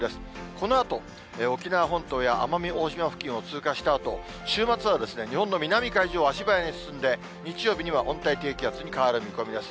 このあと、沖縄本島や奄美大島付近を通過したあと、週末はですね、日本の南海上を足早に進んで、日曜日には温帯低気圧に変わる見込みです。